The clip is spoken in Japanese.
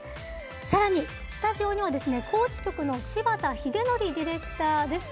さらに、スタジオには高知局の柴田英徳ディレクターです。